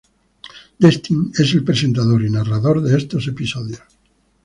Destin es el presentador y narrador de estos episodios.